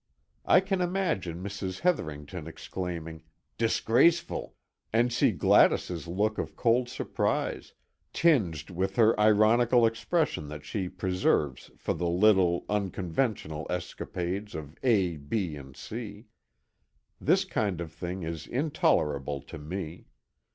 I can imagine Mrs. Hetherington exclaiming: "Disgraceful!" and see Gladys's look of cold surprise, tinged with her ironical expression that she preserves for the little, unconventional escapades of A, B and C. This kind of thing is intolerable to me.